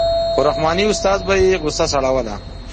خو رحماني استاد به یې غوسه سړوله.